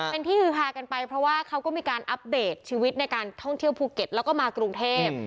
เป็นที่ฮือฮากันไปเพราะว่าเขาก็มีการอัปเดตชีวิตในการท่องเที่ยวภูเก็ตแล้วก็มากรุงเทพ